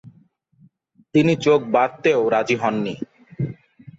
তিনি চোখ বাঁধতেও রাজি হননি।